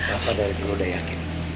lapa dari gue udah yakin